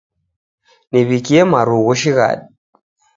Niw'ikie marughu shighadi.